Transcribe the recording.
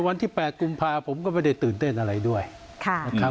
วันที่๘กุมภาผมก็ไม่ได้ตื่นเต้นอะไรด้วยนะครับ